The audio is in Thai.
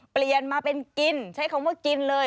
เปลี่ยนมาเป็นกินใช้คำว่ากินเลย